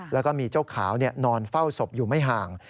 แล้วก็มีเจ้าขาวนอนเฝ้าศพอยู่ไม่ห่าง